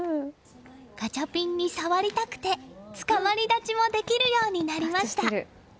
ガチャピンに触りたくてつかまり立ちもできるようになりました！